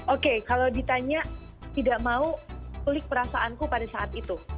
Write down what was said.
oke kalau ditanya tidak mau kulik perasaanku pada saat itu